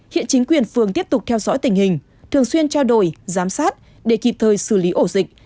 hiện chính quyền phường tiếp tục theo dõi tình hình thường xuyên trao đổi giám sát để kịp thời xử lý ổ dịch